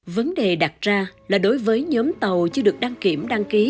vấn đề đặt ra là đối với nhóm tàu chưa được đăng kiểm đăng ký